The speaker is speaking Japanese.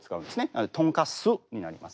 なので「とんかす」になります。